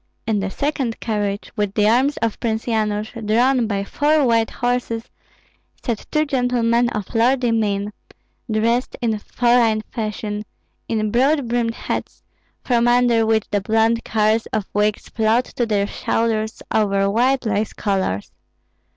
In the second carriage, with the arms of Prince Yanush, drawn by four white horses, sat two gentlemen of lordly mien, dressed in foreign fashion, in broad brimmed hats, from under which the blond curls of wigs flowed to their shoulders over wide lace collars.